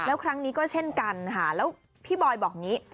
แล้วครั้งนี้ก็เช่นกันค่ะแล้วพี่บอยบอกอย่างนี้